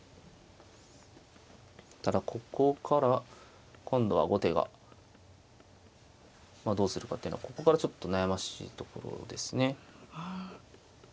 ただここから今度は後手がどうするかっていうのはここからちょっと悩ましいところですね。